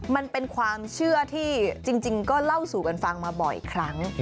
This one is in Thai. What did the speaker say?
มันเป็นความเชื่อที่จริงก็เล่าสู่กันฟังมาบ่อยครั้ง